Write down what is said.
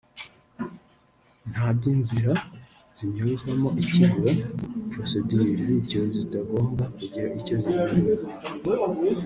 nta by’inzira zinyuzwamo ikirego [procedure] bityo zitagomba kugira icyo zihindura